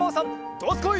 どすこい！